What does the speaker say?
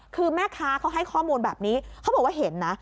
คือแม่ค้าเขาให้ข้อมูลแบบนี้เขาบอกว่าเห็นนะ